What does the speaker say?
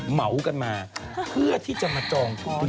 เหมากันมาเพื่อที่จะมาจองทุน